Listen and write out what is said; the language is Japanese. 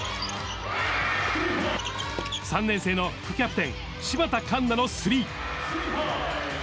３年生の副キャプテン、柴田柑菜のスリー。